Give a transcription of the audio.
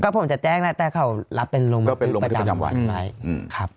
ก็ผมจะแจ้งนะแต่เขารับเป็นลงบันทึกประจำวันอืมอืมครับ